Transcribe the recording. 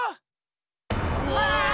うわ！